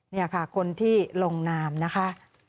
นี่ค่ะคนที่ลงนามนะคะ